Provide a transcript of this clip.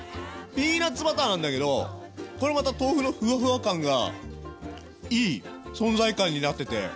ピーナツバターなんだけどこれまた豆腐のふわふわ感がいい存在感になってて。